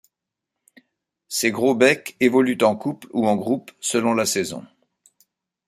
Ces gros-becs évoluent en couples ou en groupes selon la saison.